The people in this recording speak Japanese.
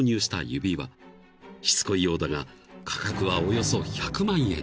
［しつこいようだが価格はおよそ１００万円］